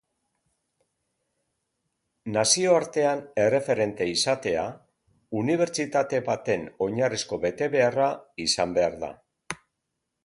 Nazioartean erreferente izatea unibertsitate baten oinarrizko betebeharra izan behar da.